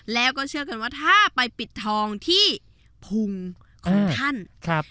แล้วก็เชื่อกันว่าถ้าไปปิดทองที่พุงของท่านครับ